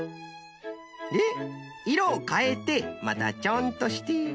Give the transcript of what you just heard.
でいろをかえてまたチョンとして。